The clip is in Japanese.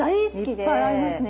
いっぱいありますね。